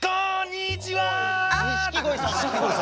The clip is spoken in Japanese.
錦鯉さんの。